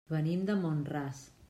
Venim de Mont-ras.